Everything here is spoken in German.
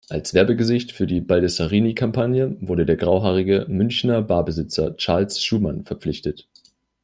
Als Werbe-Gesicht für die Baldessarini-Kampagne wurde der grau-haarige Münchner Barbesitzer Charles Schumann verpflichtet.